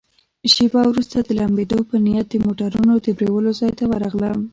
شیبه وروسته د لمبېدو په نیت د موټرونو د پرېولو ځای ته ورغلم.